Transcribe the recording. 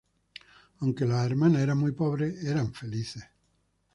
Aunque las hermanas eran muy pobres, eran felices.